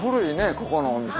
ここのお店。